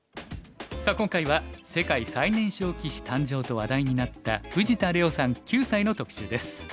さあ今回は世界最年少棋士誕生と話題になった藤田怜央さん９歳の特集です。